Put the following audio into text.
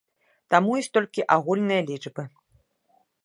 Таму ёсць толькі агульныя лічбы.